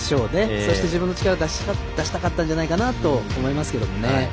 そして自分の力を出したかったんじゃないかなと思いますけどね。